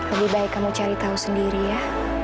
lebih baik kamu cari tahu sendiri ya